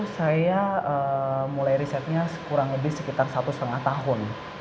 saya mulai risetnya kurang lebih sekitar satu lima tahun